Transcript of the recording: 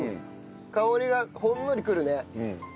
香りがほんのりくるね。